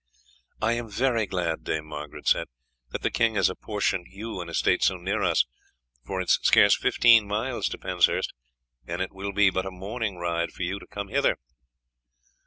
"I am very glad," Dame Margaret said, "that the king has apportioned you an estate so near us, for it is scarce fifteen miles to Penshurst, and it will be but a morning ride for you to come hither."